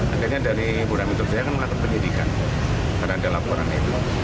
akhirnya dari polda metro jaya kan melakukan penyidikan karena ada laporan itu